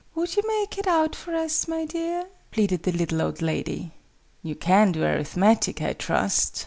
"Would you make it out for us, my dear?" pleaded the little old lady. "You can do Arithmetic, I trust?"